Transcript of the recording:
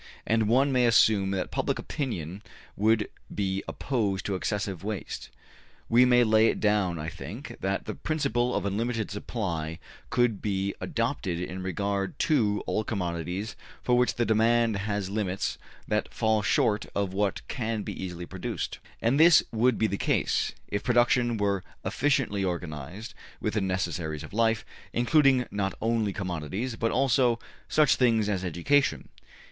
And one may assume that public opinion would be opposed to excessive waste. We may lay it down, I think, that the principle of unlimited supply could be adopted in regard to all commodities for which the demand has limits that fall short of what can be easily produced. And this would be the case, if production were efficiently organized, with the necessaries of life, including not only commodities, but also such things as education.